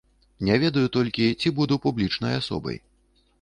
Не ведаю толькі, ці буду публічнай асобай.